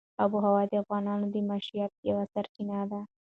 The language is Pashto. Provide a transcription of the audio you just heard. آب وهوا د افغانانو د معیشت یوه سرچینه ده.